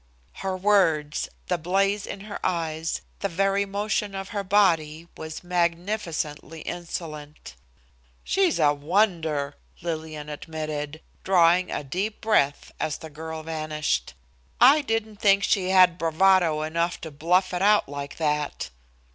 Her words, the blaze in her eyes, the very motion of her body, was magnificently insolent. "She's a wonder!" Lillian admitted, drawing a deep breath, as the girl vanished. "I didn't think she had bravado enough to bluff it out like that."